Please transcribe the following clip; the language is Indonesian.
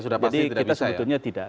jadi kita sebetulnya tidak